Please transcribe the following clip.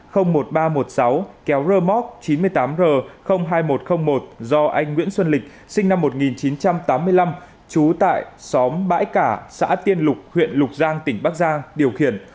kéo rơ móc chín mươi tám r hai nghìn một trăm linh một do anh nguyễn xuân lịch sinh năm một nghìn chín trăm tám mươi năm trú tại xóm bãi cả xã tiên lục huyện lục giang tỉnh bắc giang điều khiển